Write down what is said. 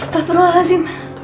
udah perlu lagi ma